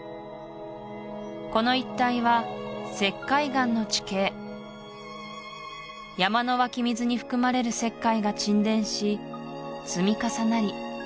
この一帯は石灰岩の地形山の湧き水に含まれる石灰が沈殿し積み重なり